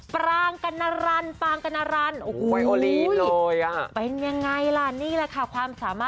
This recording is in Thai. ปรางกนรรปรางกนรรปรางกนรรไปยังไงล่ะ